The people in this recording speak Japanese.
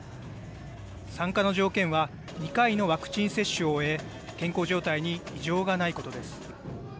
参加の条件は、２回のワクチン接種を終え、健康状態に異常がないことです。